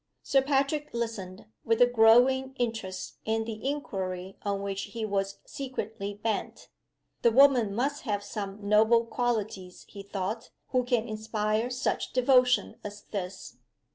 Sir Patrick listened, with a growing interest in the inquiry on which he was secretly bent. "The woman must have some noble qualities," he thought, "who can inspire such devotion as this."